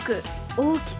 大きく！